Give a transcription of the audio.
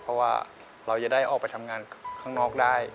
เพราะว่าเราจะได้ออกไปทำงานข้างนอกได้